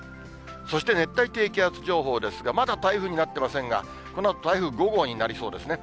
そして熱帯低気圧情報ですが、まだ台風になってませんが、このあと、台風５号になりそうですね。